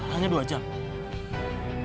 hanya dua jam